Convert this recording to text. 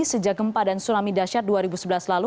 sejak gempa dan tsunami dasyat dua ribu sebelas lalu